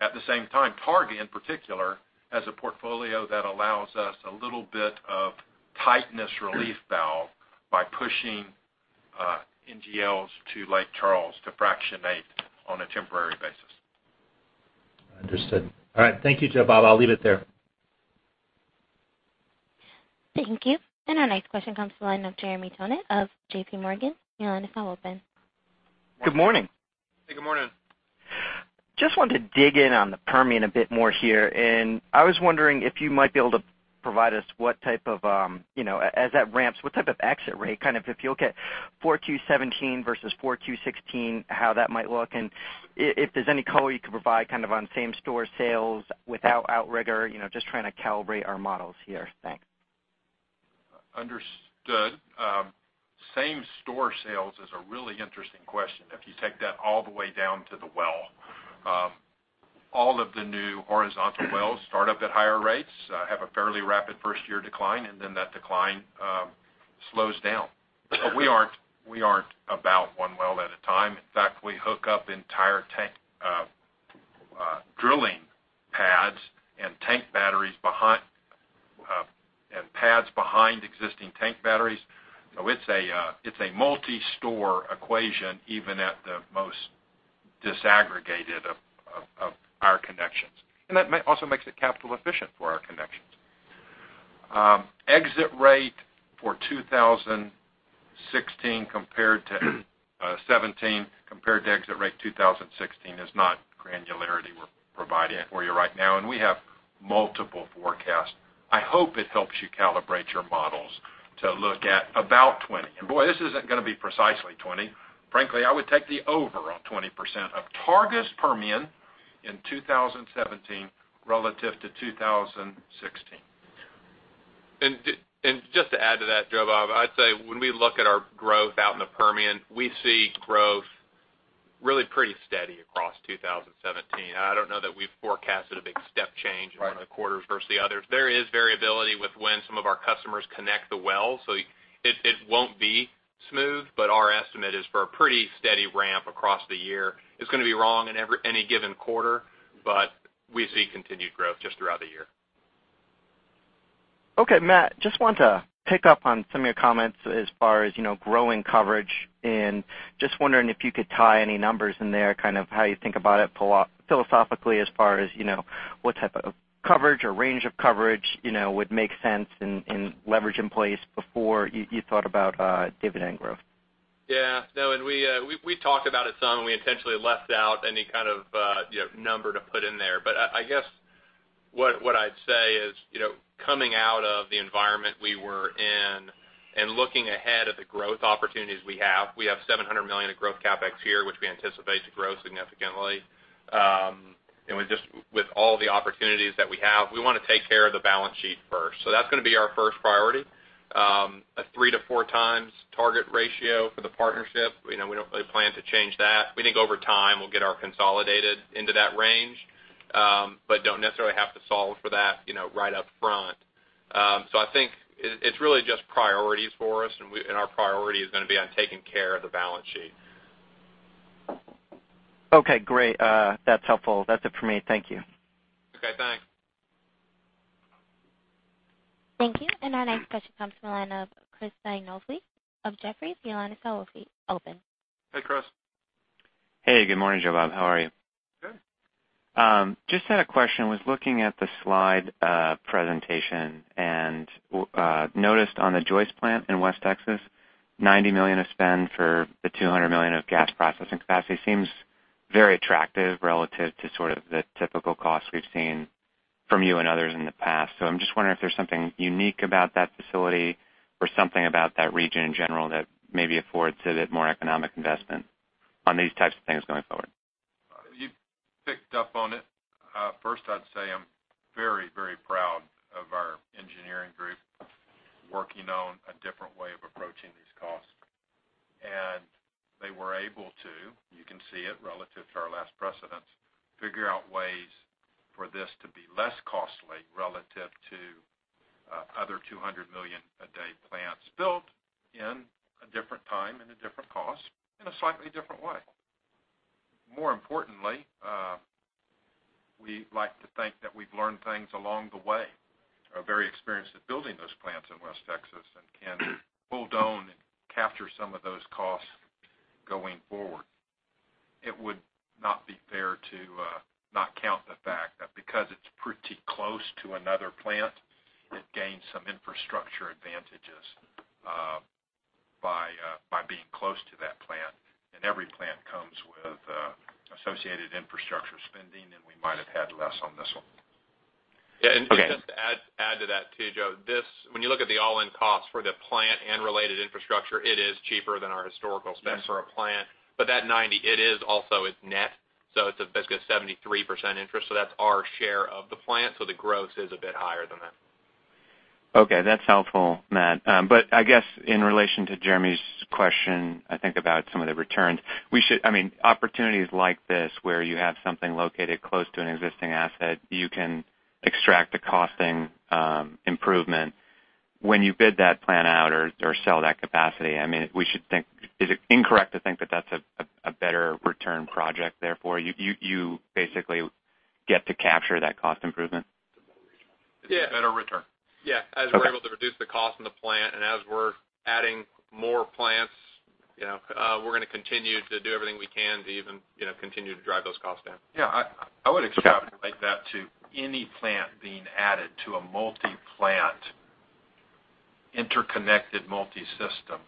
At the same time, Targa in particular, has a portfolio that allows us a little bit of tightness relief valve by pushing NGLs to Lake Charles to fractionate on a temporary basis. Understood. All right. Thank you, Joe Bob. I'll leave it there. Thank you. Our next question comes to the line of Jeremy Tonet of J.P. Morgan. Your line is now open. Good morning. Hey, good morning. Just wanted to dig in on the Permian a bit more here. I was wondering if you might be able to provide us as that ramps, what type of exit rate, kind of if you look at 4Q17 versus 4Q16, how that might look. If there's any color you could provide on same store sales without Outrigger, just trying to calibrate our models here. Thanks. Understood. Same store sales is a really interesting question if you take that all the way down to the well. All of the new horizontal wells start up at higher rates, have a fairly rapid first-year decline, and then that decline slows down. We aren't about one well at a time. In fact, we hook up entire drilling pads and pads behind existing tank batteries. It's a multi-store equation, even at the most disaggregated of our connections. That also makes it capital efficient for our connections. Exit rate for 2016 compared to 2017 compared to exit rate 2016 is not granularity we're providing for you right now, and we have multiple forecasts. I hope it helps you calibrate your models to look at about 20. Boy, this isn't going to be precisely 20. Frankly, I would take the over on 20% of Targa's Permian in 2017 relative to 2016. Just to add to that, Joe Bob, I'd say when we look at our growth out in the Permian, we see growth really pretty steady across 2017. I don't know that we've forecasted a big step change. Right in one of the quarters versus the others. There is variability with when some of our customers connect the wells. It won't be smooth, but our estimate is for a pretty steady ramp across the year. It's going to be wrong in any given quarter, but we see continued growth just throughout the year. Okay, Matt, I just want to pick up on some of your comments as far as growing coverage and just wondering if you could tie any numbers in there, how you think about it philosophically as far as what type of coverage or range of coverage would make sense and leverage in place before you thought about dividend growth. Yeah. No, we talked about it some. We intentionally left out any kind of number to put in there. I guess what I'd say is, coming out of the environment we were in and looking ahead at the growth opportunities we have, we have $700 million of growth CapEx here, which we anticipate to grow significantly. With all the opportunities that we have, we want to take care of the balance sheet first. That's going to be our first priority. A 3 to 4 times target ratio for the partnership, we don't really plan to change that. We think over time, we'll get our consolidated into that range. Don't necessarily have to solve for that right up front. I think it's really just priorities for us, and our priority is going to be on taking care of the balance sheet. Okay, great. That's helpful. That's it for me. Thank you. Okay, thanks. Thank you. Our next question comes from the line of Chris Sighinolfi of Jefferies. Your line is now open. Hey, Chris. Hey, good morning, Joe Bob. How are you? Good. Just had a question. Was looking at the slide presentation and noticed on the Joyce plant in West Texas, $90 million of spend for the 200 million of gas processing capacity seems very attractive relative to sort of the typical costs we've seen from you and others in the past. I'm just wondering if there's something unique about that facility or something about that region in general that maybe affords a bit more economic investment on these types of things going forward. You picked up on it. First, I'd say I'm very proud of our engineering group working on a different way of approaching these costs. They were able to, you can see it relative to our last precedents, figure out ways for this to be less costly relative to other 200 million-a-day plants built in a different time and a different cost in a slightly different way. More importantly, we like to think that we've learned things along the way. Are very experienced at building those plants in West Texas and can pull down and capture some of those costs going forward. It would not be fair to not count the fact that because it's pretty close to another plant, it gains some infrastructure advantages by being close to that plant. Every plant comes with associated infrastructure spending, and we might have had less on this one. Okay. Just to add to that too, Joe, when you look at the all-in cost for the plant and related infrastructure, it is cheaper than our historical spend for a plant. That 90, it is also net, so it is basically a 73% interest, so that is our share of the plant, so the gross is a bit higher than that. Okay, that is helpful, Matt. I guess in relation to Jeremy's question, I think about some of the returns. Opportunities like this, where you have something located close to an existing asset, you can extract a costing improvement. When you bid that plant out or sell that capacity, is it incorrect to think that that is a better return project therefore? You basically get to capture that cost improvement? Yeah. It is a better return. Yeah. Okay. As we are able to reduce the cost in the plant, as we are adding more plants, we are going to continue to do everything we can to even continue to drive those costs down. Yeah, I would extrapolate that to any plant being added to a multi-plant, interconnected multi-system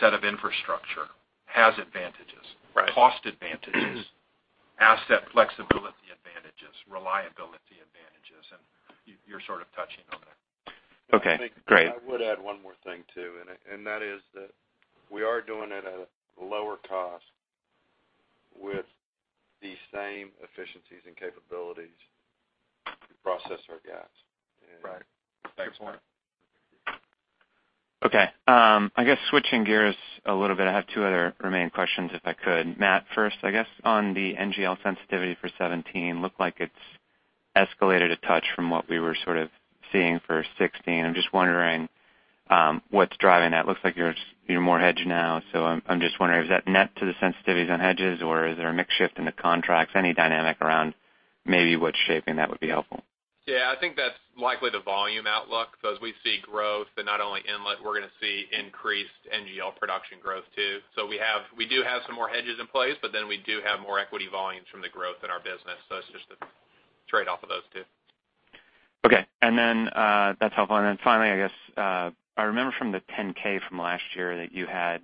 set of infrastructure has advantages. Right. Cost advantages, asset flexibility advantages, reliability advantages, and you're sort of touching on that. Okay, great. I would add one more thing, too, and that is that we are doing it at a lower cost with the same efficiencies and capabilities to process our gas. Right. Good point. Thanks. Okay. I guess switching gears a little bit, I have two other remaining questions, if I could. Matt, first, I guess on the NGL sensitivity for 2017, looked like it's escalated a touch from what we were sort of seeing for 2016. I'm just wondering what's driving that. Looks like you're more hedged now, so I'm just wondering, is that net to the sensitivities on hedges, or is there a mix shift in the contracts? Any dynamic around maybe what's shaping that would be helpful. Yeah, I think that's likely the volume outlook. As we see growth in not only inlet, we're going to see increased NGL production growth, too. We do have some more hedges in place, but then we do have more equity volumes from the growth in our business, it's just a trade-off of those two. Okay. That's helpful. Finally, I guess, I remember from the 10-K from last year that you had,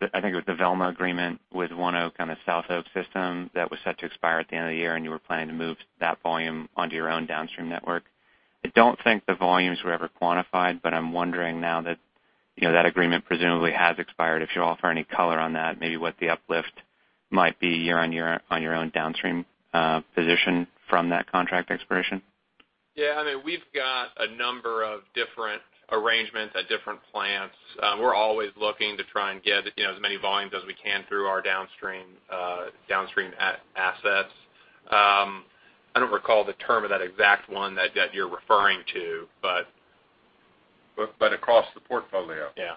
I think it was the Velma agreement with ONEOK on the SouthOK system that was set to expire at the end of the year, and you were planning to move that volume onto your own downstream network. I don't think the volumes were ever quantified, but I'm wondering now that that agreement presumably has expired, if you offer any color on that, maybe what the uplift might be year-over-year on your own downstream position from that contract expiration. Yeah. We've got a number of different arrangements at different plants. We're always looking to try and get as many volumes as we can through our downstream assets. I don't recall the term of that exact one that you're referring to. Across the portfolio. Yeah.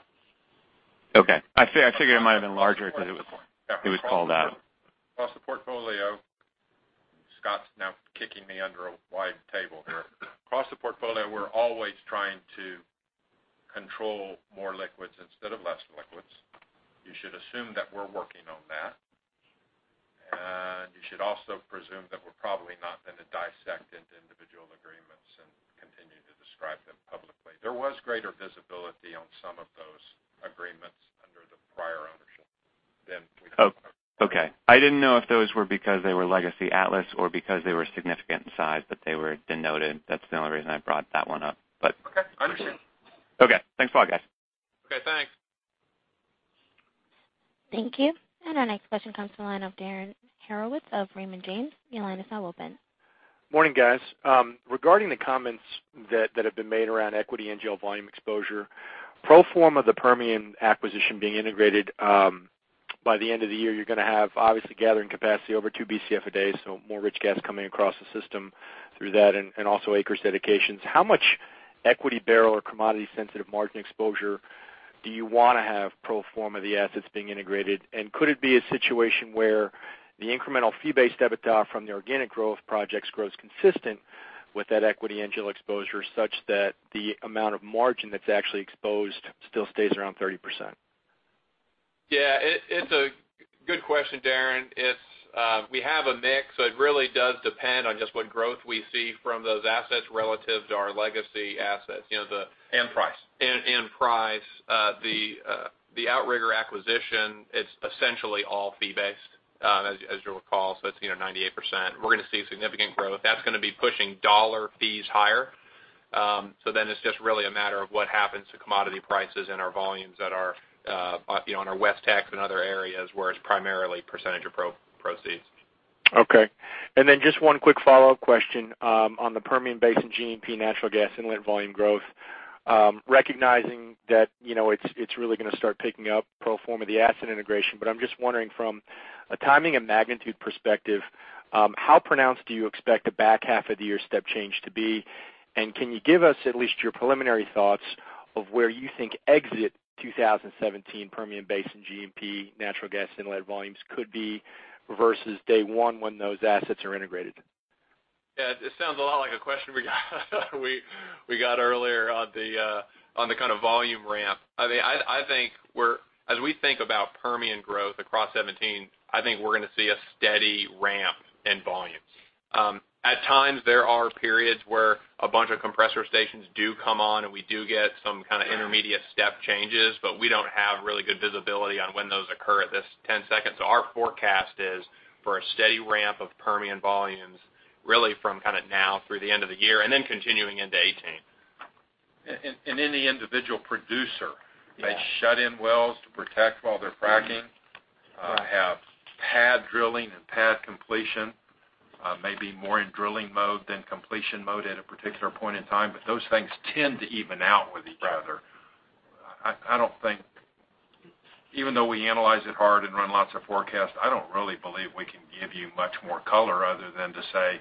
Okay. I figured it might've been larger because it was called out. Across the portfolio. Scott's now kicking me under a wide table here. Across the portfolio, we're always trying to control more liquids instead of less liquids. You should assume that we're working on that. You should also presume that we're probably not going to dissect into individual agreements and continue to describe them publicly. There was greater visibility on some of those agreements under the prior ownership than we have. Oh, okay. I didn't know if those were because they were legacy Atlas or because they were significant in size, but they were denoted. That's the only reason I brought that one up. Okay. Understood. Okay. Thanks a lot, guys. Okay, thanks. Thank you. Our next question comes from the line of Darren Horowitz of Raymond James. Your line is now open. Morning, guys. Regarding the comments that have been made around equity and geo volume exposure, pro forma, the Permian acquisition being integrated by the end of the year. You're going to have, obviously, gathering capacity over two BCF a day, so more rich gas coming across the system through that and also acreage dedications. How much equity barrel or commodity-sensitive margin exposure do you want to have pro forma the assets being integrated? Could it be a situation where the incremental fee-based EBITDA from the organic growth projects grows consistent with that equity NGL exposure, such that the amount of margin that's actually exposed still stays around 30%? Yeah. It's a good question, Darren. We have a mix, so it really does depend on just what growth we see from those assets relative to our legacy assets. You know, Price. Price. The Outrigger acquisition, it's essentially all fee-based, as you'll recall. It's 98%. We're going to see significant growth. That's going to be pushing dollar fees higher. It's just really a matter of what happens to commodity prices and our volumes that are on our WestTX and other areas where it's primarily percentage of proceeds. Okay. Just one quick follow-up question on the Permian Basin G&P natural gas inlet volume growth. Recognizing that it's really going to start picking up pro forma the asset integration, but I'm just wondering from a timing and magnitude perspective, how pronounced do you expect the back half of the year step change to be? Can you give us at least your preliminary thoughts of where you think exit 2017 Permian Basin G&P natural gas inlet volumes could be versus day one when those assets are integrated? Yeah. This sounds a lot like a question we got earlier on the kind of volume ramp. As we think about Permian growth across 2017, I think we're going to see a steady ramp in volumes. At times, there are periods where a bunch of compressor stations do come on, and we do get some kind of intermediate step changes, but we don't have really good visibility on when those occur at this ten-second. Our forecast is for a steady ramp of Permian volumes, really from kind of now through the end of the year, and then continuing into 2018. Any individual producer- Yeah they shut in wells to protect while they're fracking. Right. have pad drilling and pad completion. Maybe more in drilling mode than completion mode at a particular point in time. Those things tend to even out with each other. Right. Even though we analyze it hard and run lots of forecasts, I don't really believe we can give you much more color other than to say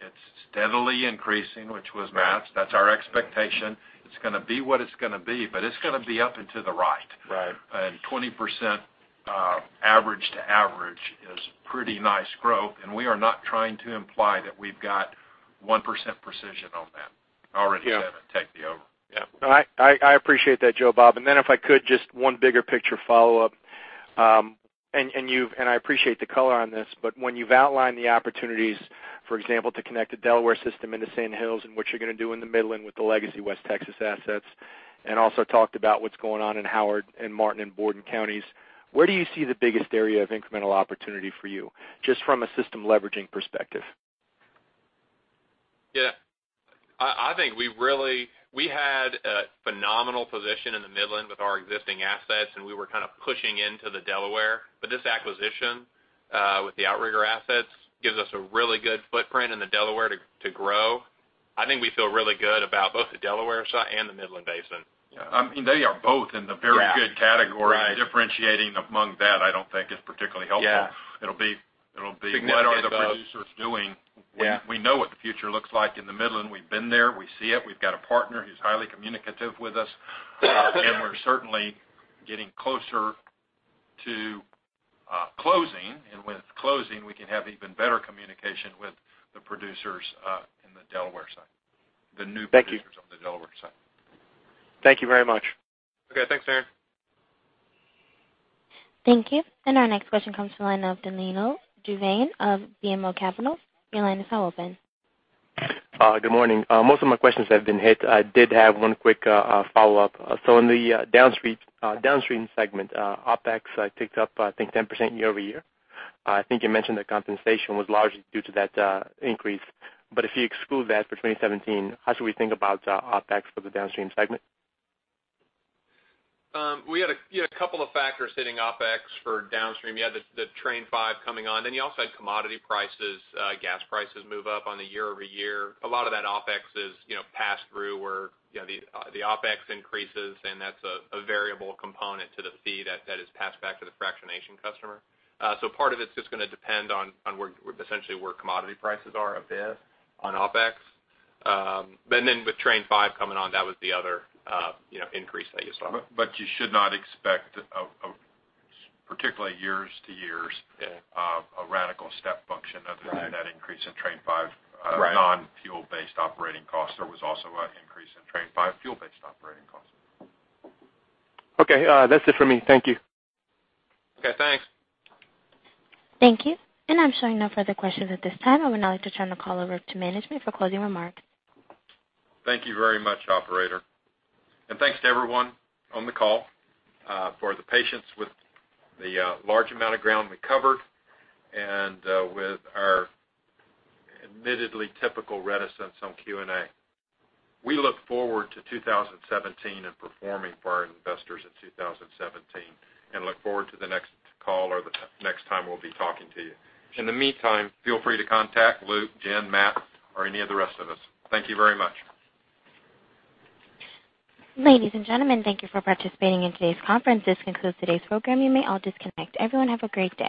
it's steadily increasing, which was. Right That's our expectation. It's going to be what it's going to be, but it's going to be up and to the right. Right. 20% average to average is pretty nice growth, and we are not trying to imply that we've got 1% precision on that. Yeah. I already said I'd take the over. Yeah. I appreciate that, Joe Bob. Then if I could, just one bigger picture follow-up. I appreciate the color on this, but when you've outlined the opportunities, for example, to connect a Delaware system into Sand Hills and what you're going to do in the Midland with the legacy West Texas assets, also talked about what's going on in Howard and Martin and Borden counties, where do you see the biggest area of incremental opportunity for you, just from a system leveraging perspective? Yeah. We had a phenomenal position in the Midland with our existing assets, and we were kind of pushing into the Delaware. This acquisition with the Outrigger assets gives us a really good footprint in the Delaware to grow. I think we feel really good about both the Delaware side and the Midland basin. Yeah. They are both in the very good category. Yeah. Right. Differentiating among that, I don't think is particularly helpful. Yeah. It'll be what are the producers doing? Significant. Yeah. We know what the future looks like in the Midland. We've been there. We see it. We've got a partner who's highly communicative with us. We're certainly getting closer to closing. With closing, we can have even better communication with the producers in the Delaware side. The new. Thank you. producers on the Delaware side. Thank you very much. Okay. Thanks, Darren. Thank you. Our next question comes from the line of Danilo Juvane of BMO Capital. Your line is now open. Good morning. Most of my questions have been hit. I did have one quick follow-up. In the downstream segment, OpEx picked up, I think 10% year-over-year. I think you mentioned that compensation was largely due to that increase. If you exclude that for 2017, how should we think about OpEx for the downstream segment? We had a couple of factors hitting OpEx for downstream. You had the Train Five coming on, you also had commodity prices, gas prices move up on the year-over-year. A lot of that OpEx is pass-through where the OpEx increases, and that's a variable component to the fee that is passed back to the fractionation customer. Part of it's just going to depend on essentially where commodity prices are a bit on OpEx. With Train Five coming on, that was the other increase that you saw. You should not expect, particularly years to years. Yeah A radical step function other than that increase in Train Five. Right non-fuel-based operating costs. There was also an increase in Train Five fuel-based operating costs. Okay. That's it for me. Thank you. Okay, thanks. Thank you. I'm showing no further questions at this time. I would now like to turn the call over to management for closing remarks. Thank you very much, operator. Thanks to everyone on the call for the patience with the large amount of ground we covered and with our admittedly typical reticence on Q&A. We look forward to 2017 and performing for our investors in 2017 and look forward to the next call or the next time we'll be talking to you. In the meantime, feel free to contact Luke, Jen, Matt, or any of the rest of us. Thank you very much. Ladies and gentlemen, thank you for participating in today's conference. This concludes today's program. You may all disconnect. Everyone have a great day.